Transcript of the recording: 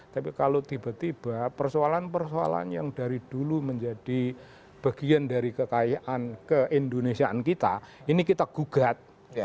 tapi kalau tiba tiba persoalan persoalan yang dari dulu menjadi bagian dari kekayaan keindonesiaan kita ini kita gugat